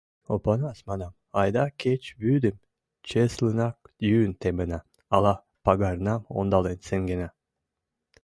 — Опанас, — манам, — айда кеч вӱдым чеслынак йӱын темына, ала пагарнам ондален сеҥена.